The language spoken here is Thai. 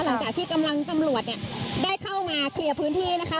หลังจากที่กำลังตำรวจเนี่ยได้เข้ามาเคลียร์พื้นที่นะคะ